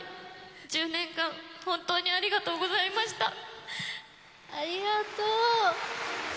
１０年間、本当にありがとうござありがとう。